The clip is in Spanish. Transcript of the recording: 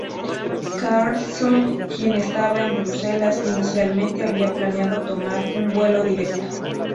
Carlsson quien estaba en Bruselas inicialmente había planeado tomar un vuelo directo.